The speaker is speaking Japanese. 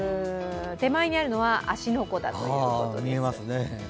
手前にあるのは芦ノ湖だということです。